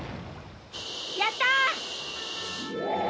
やった！